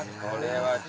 これは。